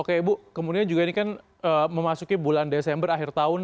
oke ibu kemudian juga ini kan memasuki bulan desember akhir tahun